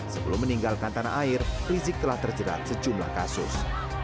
sebelum meninggalkan tanah air rizik telah terjerat sejumlah kasus